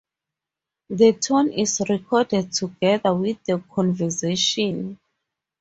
The tone is recorded together with the conversation.